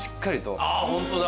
あぁホントだ。